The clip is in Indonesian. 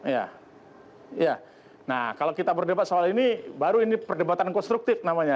ya nah kalau kita berdebat soal ini baru ini perdebatan konstruktif namanya